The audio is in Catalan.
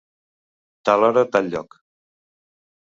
Tal hora tal lloc.